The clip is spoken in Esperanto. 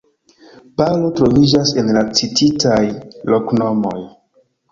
Paŭlo troviĝas en la cititaj loknomoj.